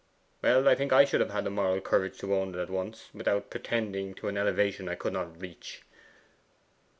'Well, I think I should have had the moral courage to own it at once, without pretending to an elevation I could not reach.